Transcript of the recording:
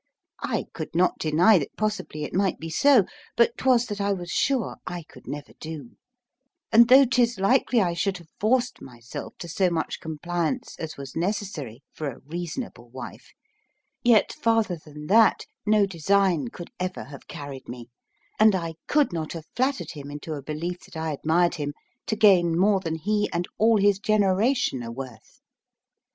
I could not deny that possibly it might be so, but 'twas that I was sure I could never do; and though 'tis likely I should have forced myself to so much compliance as was necessary for a reasonable wife, yet farther than that no design could ever have carried me; and I could not have flattered him into a belief that I admired him, to gain more than he and all his generation are worth.